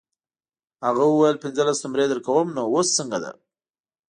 هغه وویل پنځلس نمرې درکوم نو اوس څنګه ده.